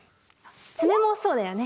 爪もそうだよね。